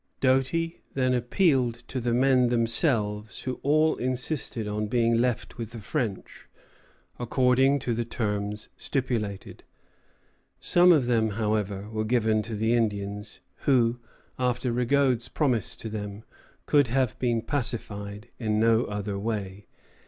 Doty then appealed to the men themselves, who all insisted on being left with the French, according to the terms stipulated. Some of them, however, were given to the Indians, who, after Rigaud's promise to them, could have been pacified in no other way.